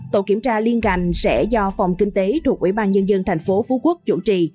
tổ kiểm tra liên ngành sẽ do phòng kinh tế thuộc ủy ban nhân dân thành phố phú quốc chủ trì